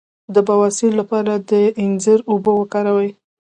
د بواسیر لپاره د انځر اوبه وکاروئ